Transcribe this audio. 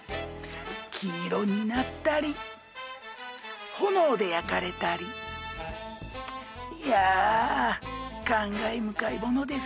黄色になったり炎で焼かれたりいや感慨深いものです。